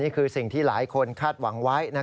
นี่คือสิ่งที่หลายคนคาดหวังไว้